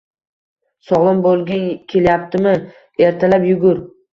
Sogʻlom boʻlging kelyaptimi? Ertalab yugur.